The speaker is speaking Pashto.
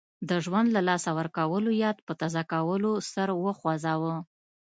د ژوند له لاسه ورکولو یاد په تازه کولو سر وخوځاوه.